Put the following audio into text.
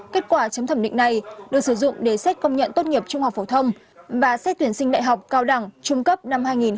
kết quả chấm thẩm định này được sử dụng để xét công nhận tốt nghiệp trung học phổ thông và xét tuyển sinh đại học cao đẳng trung cấp năm hai nghìn một mươi tám theo quy chế